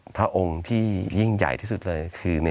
สวัสดีครับทุกคน